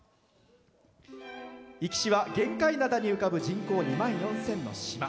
壱岐市は玄界灘に浮かぶ人口２万４０００の島。